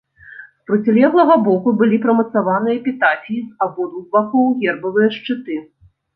З процілеглага боку былі прымацаваныя эпітафіі, з абодвух бакоў гербавыя шчыты.